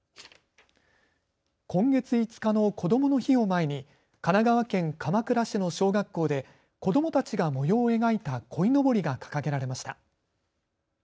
今月５日のこどもの日を前に神奈川県鎌倉市の小学校で子どもたちが模様を描いたこいのぼりが掲げられました。